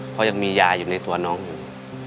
เพราะยังมียาอยู่ในตัวน้องอยู่